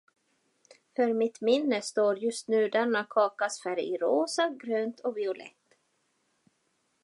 För mitt minne står just nu denna kakas färg i rosa, grönt och violett.